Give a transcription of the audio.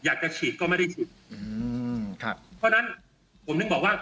อยากจะฉีดก็ไม่ได้ฉีดอืมครับเพราะฉะนั้นผมถึงบอกว่า